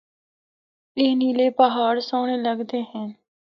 اے نیلے پہاڑ سہنڑے لگدے ہن۔